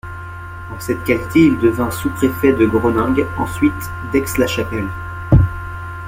En cette qualité, il devint sous-préfet de Groningue, ensuite d’Aix-la-Chapelle.